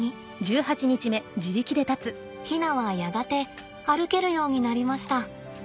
ヒナはやがて歩けるようになりました。